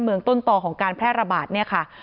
เมืองต้นต่อของการแพร่ระบาดเนี่ยค่ะ